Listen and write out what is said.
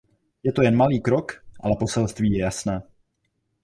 Je to jen malý krok, ale poselství je jasné.